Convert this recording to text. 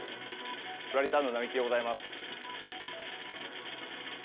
プラリタウンの並木でございます。